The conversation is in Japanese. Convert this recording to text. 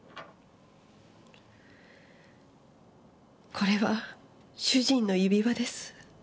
これは主人の指輪です。